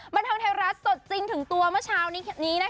บันเทิงไทยรัฐสดจริงถึงตัวเมื่อเช้านี้นะคะ